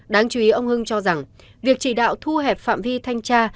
đáng chú ý ông hưng cho rằng việc chỉ đạo thu hẹp phạm vi thanh tra